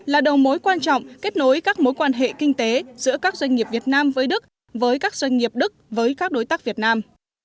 là đầu mối quan trọng kết nối các mối quan hệ kinh tế giữa các doanh nghiệp việt nam với đức với các doanh nghiệp đức với các đối tác việt nam